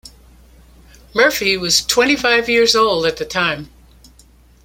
Murphy was twenty-five years old at the time.